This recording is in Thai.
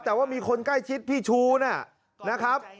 แต่ว่ามีคนใกล้ชิดพี่ชูนะครับ